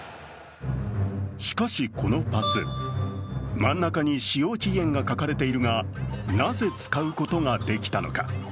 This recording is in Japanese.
しかし、このパス、真ん中に使用期限が書かれているがなぜ使うことができたのか。